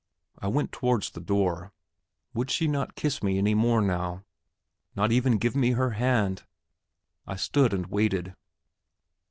I went towards the door. Would she not kiss me any more now? not even give me her hand? I stood and waited.